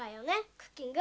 クッキング。